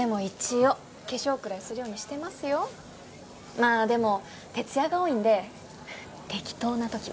まあでも徹夜が多いんで適当な時も。